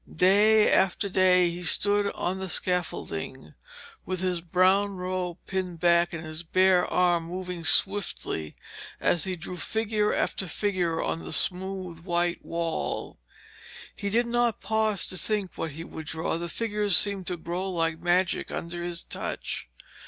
Day after day he stood on the scaffolding, with his brown robe pinned back and his bare arm moving swiftly as he drew figure after figure on the smooth white wall. He did not pause to think what he would draw, the figures seemed to grow like magic under his touch.